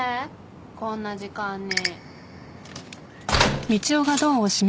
こんな時間に。